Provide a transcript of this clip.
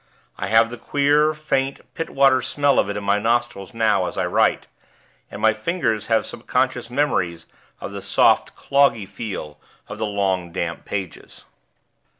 I have the queer, faint, pit water smell of it in my nostrils now as I write, and my fingers have subconscious memories of the soft, "cloggy" feel of the long damp pages.